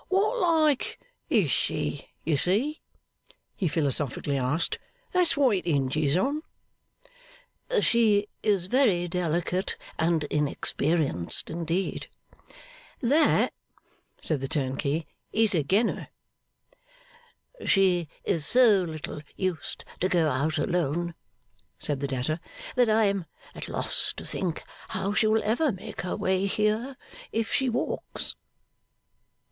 'What like is she, you see?' he philosophically asked: 'that's what it hinges on.' 'She is very delicate and inexperienced indeed.' 'That,' said the turnkey, 'is agen her.' 'She is so little used to go out alone,' said the debtor, 'that I am at a loss to think how she will ever make her way here, if she walks.